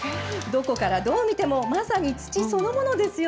どこからどう見てもまさに土そのもの。